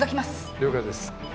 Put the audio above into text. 了解です。